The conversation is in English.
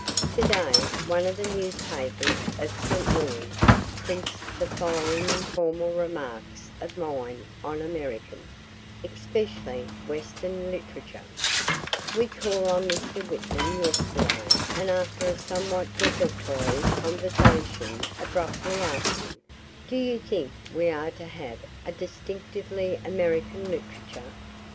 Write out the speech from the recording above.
To day one of the newspapers of St. Louis prints the following informal remarks of mine on American, especially Western literature: "We called on Mr. Whitman yesterday and after a somewhat desultory conversation abruptly asked him: 'Do you think we are to have a distinctively American literature?'